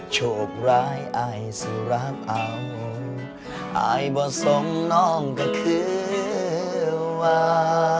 โชคร้ายอายสุรักเอาอายบ่ทรงน้องก็คือวา